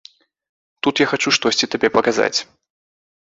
Тут я хачу штосьці табе паказаць.